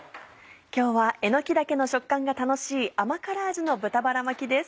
今日はえのき茸の食感が楽しい甘辛味の豚バラ巻きです。